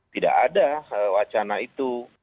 tidak ada wacana itu